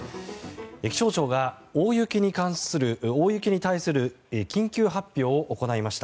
気象庁が大雪に対する緊急発表を行いました。